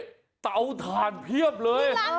โอ้โหที่นี่เตาทานเพียบเลย